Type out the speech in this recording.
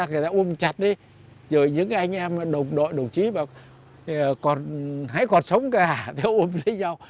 người ta ôm chặt đấy rồi những anh em đồng chí bảo hãy còn sống cả ôm lấy nhau